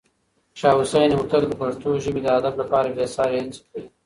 شاه حسين هوتک د پښتو ژبې او ادب لپاره بې ساری هڅې کړې.